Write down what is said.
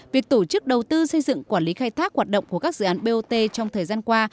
việc tổ chức đầu tư xây dựng quản lý khai thác hoạt động của các dự án bot trong thời gian qua